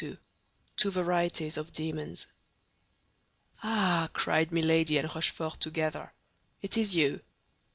TWO VARIETIES OF DEMONS Ah," cried Milady and Rochefort together, "it is you!"